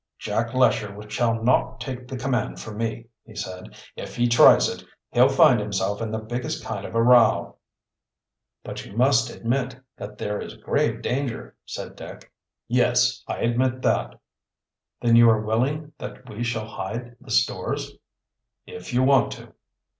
"Jack Lesher shall not take the command from me," he said. "If he tries it, he'll find himself in the biggest kind of a row." "But you must admit that there is grave danger," said Dick. "Yes, I admit that." "Then you are willing that we shall hide the stores?" "If you want to."